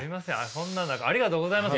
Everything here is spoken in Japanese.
そんな中ありがとうございます。